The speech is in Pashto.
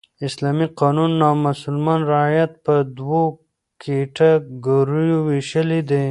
اسلامي قانون نامسلمان رعیت په دوو کېټه ګوریو ویشلى دئ.